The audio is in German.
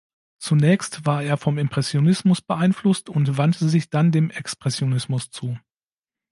Zunächst war er vom Impressionismus beeinflusst und wandte sich dann dem Expressionismus zu.